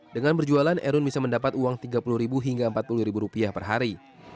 dengan berjualan erun bisa mendapat uang tiga puluh hingga empat puluh per hari